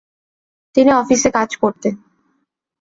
তিনি অফিসে কাজ করতেন।